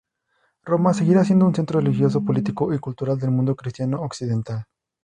Roma seguirá siendo un centro religioso, político y cultural del mundo cristiano occidental.